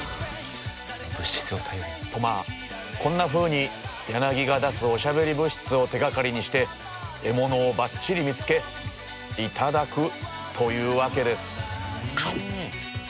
まあこんなふうにヤナギが出すおしゃべり物質を手がかりにして獲物をばっちり見つけ頂くというわけです。